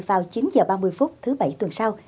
vào chín h ba mươi phút thứ bảy tuần sau